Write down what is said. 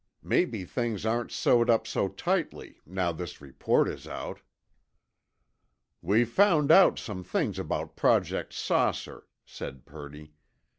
Maybe things aren't sewed up so tightly, now this report is out." "We've found out some things about Project 'Saucer,' said Purdy.